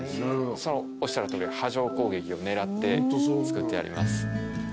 おっしゃるとおり波状攻撃を狙って作ってあります。